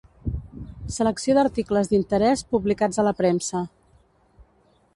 Selecció d'articles d'interès publicats a la premsa.